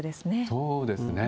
そうですね。